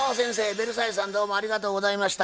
ベルサイユさんどうもありがとうございました。